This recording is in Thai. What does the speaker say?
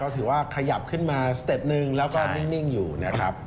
ถือว่าขยับขึ้นมาสเต็ปหนึ่งแล้วก็นิ่งอยู่นะครับ